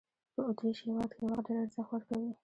په اوترېش هېواد کې وخت ډېر ارزښت ورکوي.